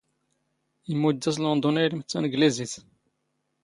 ⵉⵎⵎⵓⴷⴷⴰ ⵙ ⵍⵓⵏⴷⵓⵏ ⴰⴷ ⵉⵍⵎⴷ ⵜⴰⵏⴳⵍⵉⵣⵉⵜ.